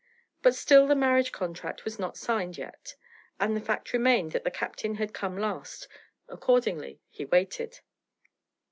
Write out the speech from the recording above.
But still the marriage contract was not signed yet, and the fact remained that the captain had come last; accordingly he waited.